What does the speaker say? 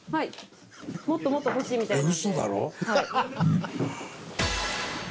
もっともっと欲しいみたいなんで。